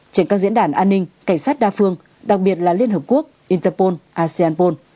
trên các diễn đàn an ninh cảnh sát đa phương đặc biệt là liên hợp quốc interpol asean